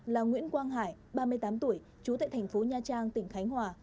là nguyễn quang hải ba mươi tám tuổi trú tại thành phố nha trang tỉnh khánh hòa